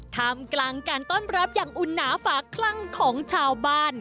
ทำกลางการต้อนรับอย่างอุ่นหนาฝาคลั่งของชาวบ้าน